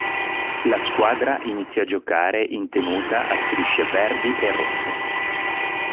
La squadra iniziò a giocare in tenuta a strisce verdi e rosse.